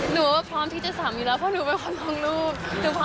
หนูก็พร้อมที่จะสำอยู่แล้วเพราะหนูเป็นคนลงรูป